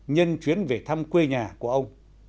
nhân chuyến về thăm quê nhà của ông